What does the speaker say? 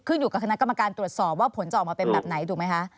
อยู่กับคณะกรรมการตรวจสอบว่าผลจะออกมาเป็นแบบไหนถูกไหมคะ